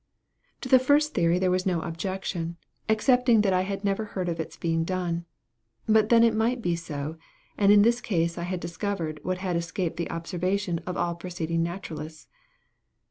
To the first theory there was no objection, excepting that I had never heard of its being done; but then it might be so, and in this case I had discovered what had escaped the observation of all preceding naturalists.